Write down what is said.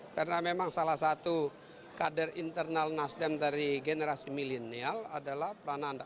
karena memang salah satu kader internal nasdem dari generasi milenial adalah prananda